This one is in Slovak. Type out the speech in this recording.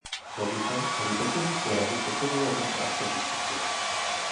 Chcel by som, aby predsedníctvo Rady posilnilo tento aspekt diskusie.